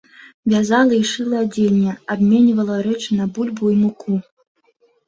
Вязала і шыла адзенне, абменьвала рэчы на бульбу і муку.